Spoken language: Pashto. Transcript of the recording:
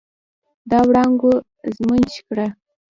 د وړانګو ږمنځ کړه